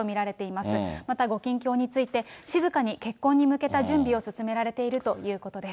またご近況について、静かに結婚に向けた準備を進められているということです。